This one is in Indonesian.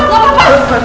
ya pak makasih ya pak